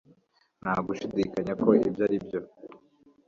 nta gushidikanya ko ibyo ari byo